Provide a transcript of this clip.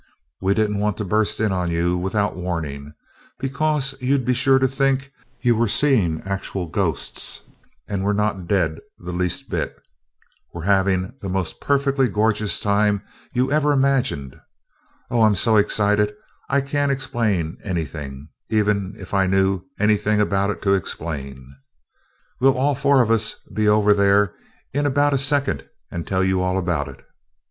we didn't want to burst in on you without warning, because you'd be sure to think you were seeing actual ghosts, and we're not dead the least bit ... we're having the most perfectly gorgeous time you ever imagined.... Oh, I'm so excited I can't explain anything, even if I knew anything about it to explain. We'll all four of us be over there in about a second and tell you all about it.